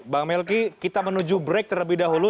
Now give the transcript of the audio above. bang melki kita menuju break terlebih dahulu